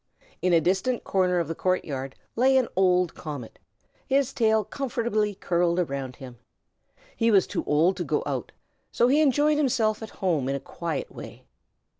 In a distant corner of the court yard lay an old comet, with his tail comfortably curled up around him. He was too old to go out, so he enjoyed himself at home in a quiet way.